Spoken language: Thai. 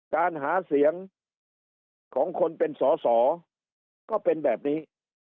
การหาเสียงของคนเป็นสอสอก็เป็นแบบนี้